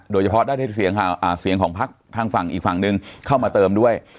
โดยเฉพาะได้เสียงของพักทางฝั่งอีกฝั่งหนึ่งเข้ามาเติมด้วย